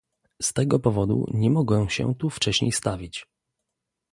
Z tego powodu nie mogłem się tu wcześniej stawić